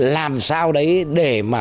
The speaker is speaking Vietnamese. làm sao đấy để mà